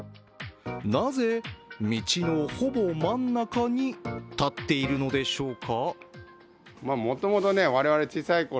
なぜ、道のほぼ真ん中に立っているのでしょうか。